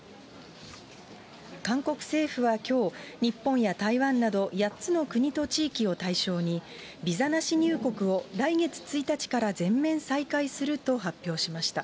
韓国政府はきょう、日本や台湾など、８つの国と地域を対象に、ビザなし入国を来月１日から全面再開すると発表しました。